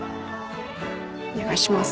お願いします。